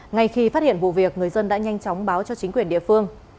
ngay khi phát hiện vụ việc người dân đã nhanh chóng báo cho chính quyền địa phương